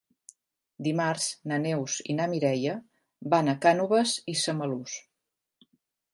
Dimarts na Neus i na Mireia van a Cànoves i Samalús.